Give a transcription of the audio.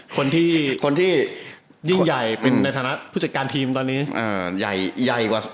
คนที่ยิ่งใหญ่เป็นในฐานะผู้จัดการทีมตอนนี้